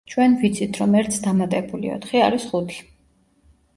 ჩვენ ვიცით, რომ ერთს დამატებული ოთხი არის ხუთი.